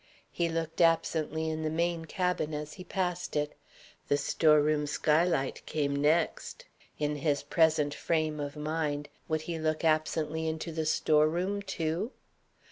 He looked absently in the main cabin as he passed it. The store room skylight came next. In his present frame of mind, would he look absently into the store room too?